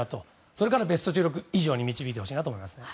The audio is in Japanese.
それからベスト１６以上に導いてほしいと思います。